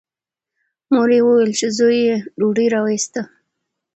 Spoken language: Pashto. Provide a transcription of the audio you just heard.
مور یې وویل چې زوی یې ډوډۍ راوایسته.